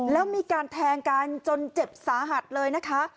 แล้วมีการแทงกันจนเจ็บสาหัสเลยนะคะ